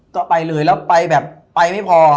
ก็ไปเลยแล้วไปแบบไปไม่พอ